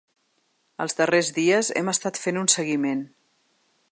Els darrers dies hem estat fent un seguiment.